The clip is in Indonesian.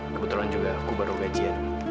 kebetulan juga aku baru gajian